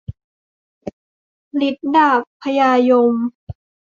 ฤทธิ์ดาบพญายม